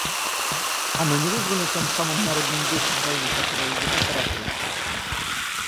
Оно не вызвано тем самым народным духом, во имя которого вы так ратуете?